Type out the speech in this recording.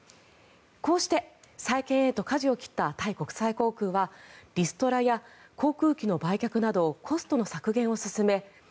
こうして再建へとかじを切ったタイ国際航空はリストラや航空機の売却などコストの削減を進め